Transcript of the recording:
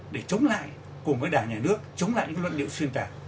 để chống lại cùng với đảng nhà nước chống lại những luân liệu xuyên tạc